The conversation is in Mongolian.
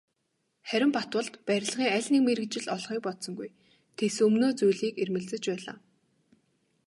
Харин Батболд барилгын аль нэг мэргэжил олохыг бодсонгүй, тэс өмнөө зүйлийг эрмэлзэж байлаа.